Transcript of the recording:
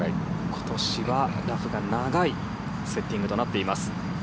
今年はラフが長いセッティングとなっています。